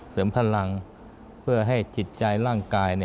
พลังเพื่อให้จิตใจร่างกาย